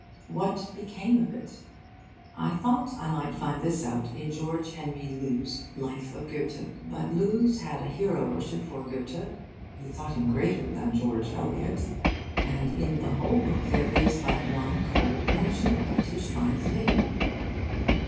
What became of it? I thought I might find this out in George Henry Lewes' 'Life of Goethe.' But Lewes had a hero worship for Goethe: he thought him greater than George Eliot, and in the whole book there is but one cold mention of Tischbein's name.